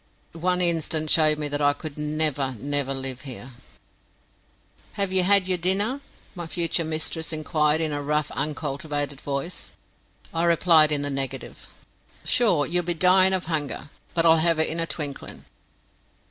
One instant showed me that I could never, never live here. "Have ye had yer dinner?" my future mistress inquired in a rough uncultivated voice. I replied in the negative. "Sure, ye'll be dyin' of hunger; but I'll have it in a twinklin'."